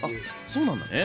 そうなんだね。